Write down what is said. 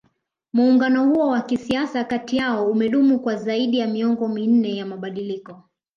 Muungano huo wa kisiasa kati yao umedumu kwa zaidi ya miongo minne ya mabadiliko